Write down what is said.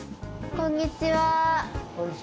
こんにちは。